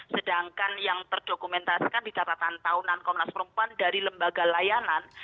sedangkan yang terdokumentasikan di catatan tahunan komnas perempuan dari lembaga layanan